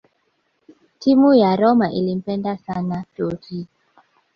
Timu ya Roma ilimpenda sana Totti